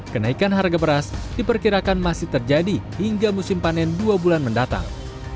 kenaikan harga beras diperkirakan masih terjadi hingga musim panen dua bulan mendatang